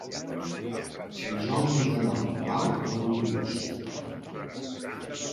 dijous he d'anar a Pau amb autobús.